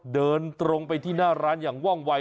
เดินตรงไปที่หน้าร้านอย่างว่องวัย